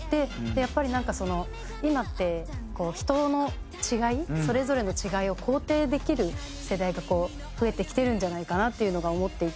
やっぱりなんか今って人の違いそれぞれの違いを肯定できる世代が増えてきてるんじゃないかなっていうのが思っていて。